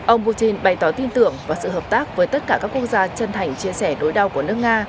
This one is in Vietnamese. ông putin bày tỏ tin tưởng và sự hợp tác với tất cả các quốc gia chân thành chia sẻ đối đau của nước nga